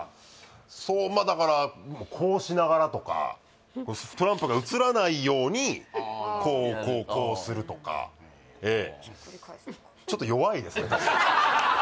そうまあだからこうしながらとかトランプが映らないようにこうこうするとかええ